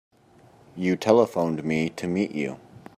You telephoned me to meet you.